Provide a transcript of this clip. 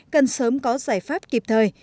có giải pháp kịp thời